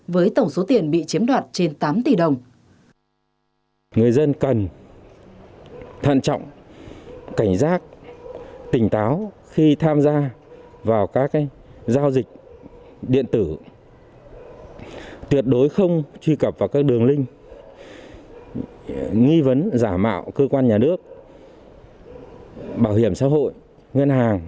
với tổng số tiền bị chiếm đoạt trên tám tỷ đồng